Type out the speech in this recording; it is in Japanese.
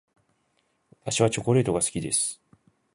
私はチョコレートが好きです。